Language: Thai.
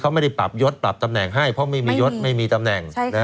เขาไม่ได้ปรับยศปรับตำแหน่งให้เพราะไม่มียศไม่มีตำแหน่ง